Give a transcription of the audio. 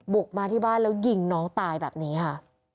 บุกมาที่บ้านแล้วยิงน้องตายแบบนี้ค่ะ